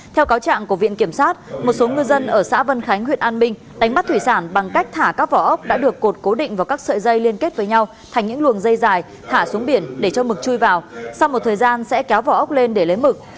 theo cáo trạng của viện kiểm sát một số ngư dân ở xã vân khánh huyện an minh đánh bắt thủy sản bằng cách thả các vỏ ốc đã được cột cố định vào các sợi dây liên kết với nhau thành những luồng dây dài thả xuống biển để cho mực chui vào sau một thời gian sẽ kéo vỏ ốc lên để lấy mực